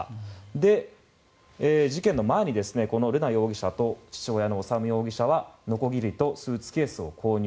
で、事件の前に瑠奈容疑者と父親の修容疑者はのこぎりとスーツケースを購入。